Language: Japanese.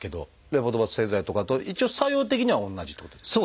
レボドパ製剤とかと一応作用的には同じっていうことですか？